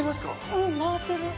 うん回ってる。